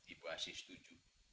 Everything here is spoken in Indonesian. ibu asyik setuju